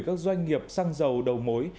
các doanh nghiệp sang giàu đầu mối